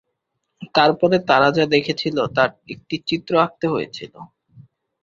তারপরে তারা যা দেখেছিল তার একটি চিত্র আঁকতে হয়েছিল।